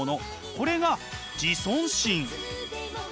これが自尊心。